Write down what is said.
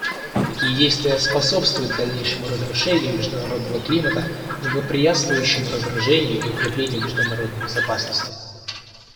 Такие действия способствуют дальнейшему разрушению международного климата, благоприятствующего разоружению и укреплению международной безопасности.